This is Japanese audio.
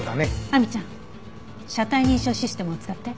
亜美ちゃん車体認証システムを使って。